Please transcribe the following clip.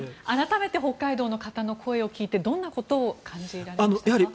改めて北海道の方の声を聞いてどんなことを感じましたか？